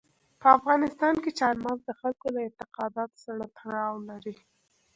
په افغانستان کې چار مغز د خلکو له اعتقاداتو سره تړاو لري.